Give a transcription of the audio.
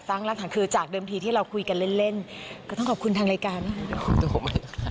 รักฐานคือจากเดิมทีที่เราคุยกันเล่นเล่นก็ต้องขอบคุณทางรายการนะคะ